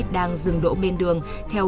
đang dừng đỗ bên đường